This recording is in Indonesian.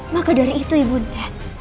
maka dari itu ibu nda